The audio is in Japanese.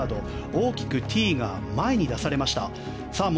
大きくティーが前に出されました。